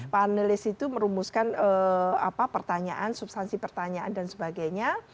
panelis itu merumuskan pertanyaan substansi pertanyaan dan sebagainya